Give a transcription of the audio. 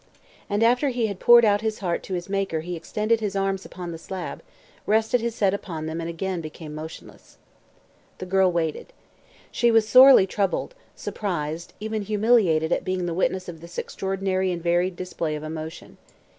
And after he had poured out his heart to his Maker he extended his arms upon the slab, rested his head upon them and again became motionless. The girl waited. She was sorely troubled, surprised, even humiliated at being the witness of this extraordinary and varied display of emotion.